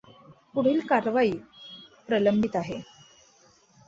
पुढील कारवाई प्रलंबित आहे.